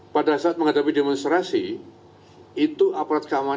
pada saat menghadapi demonstrasi itu aparat keamanan